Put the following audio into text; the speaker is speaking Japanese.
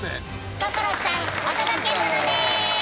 所さんお届けモノです！